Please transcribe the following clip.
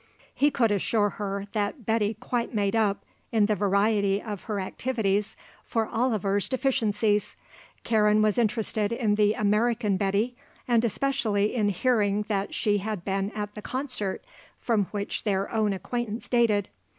He could assure her that Betty quite made up in the variety of her activities for Oliver's deficiencies. Karen was interested in the American Betty and especially in hearing that she had been at the concert from which their own acquaintance dated.